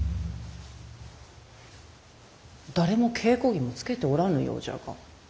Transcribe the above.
誰も稽古着もつけておらぬようじゃが。